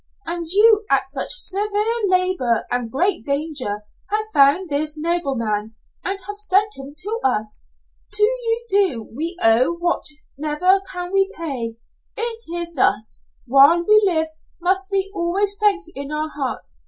"And you, at such severe labor and great danger, have found this noble man, and have sent him to us to you do we owe what never can we pay it is thus while we live must we always thank you in our hearts.